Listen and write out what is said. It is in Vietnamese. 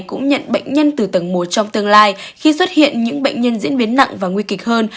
cũng nhận bệnh nhân từ tầng một trong tương lai khi xuất hiện những bệnh nhân diễn biến nặng và nguy kịch hơn